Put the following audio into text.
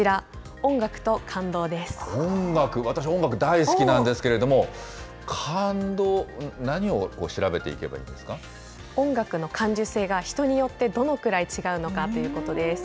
音楽、私、音楽が大好きなんですけれども、感動、何を調べて音楽の感受性が人によってどのくらい違うのかということです。